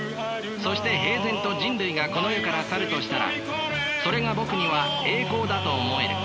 そして平然と人類がこの世から去るとしたらそれがぼくには栄光だと思える。